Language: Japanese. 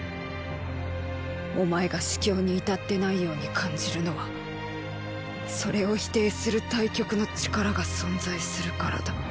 お前が至強に至ってないように感じるのはそれを否定する対極の力が存在するからだ。